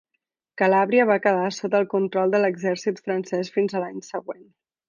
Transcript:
Calàbria va quedar sota el control de l'exèrcit francès fins a l'any següent.